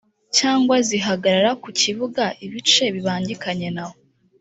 cyangwa zihagarara ku kibuga ibice bibangikanye naho